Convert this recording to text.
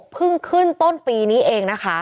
เพิ่งขึ้นต้นปีนี้เองนะคะ